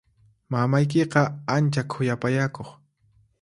Mamaykiqa ancha khuyapayakuq.